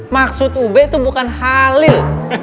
maksud ub itu bukan halil